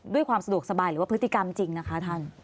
ด้วยความสะดวกสบายหรือว่าพฤติกรรมจริงนะคะท่าน